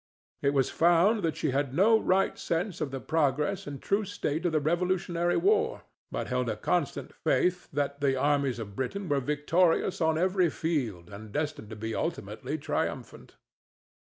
It was found that she had no right sense of the progress and true state of the Revolutionary war, but held a constant faith that the armies of Britain were victorious on every field and destined to be ultimately triumphant.